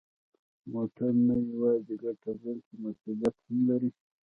موټر نه یوازې ګټه، بلکه مسؤلیت هم لري.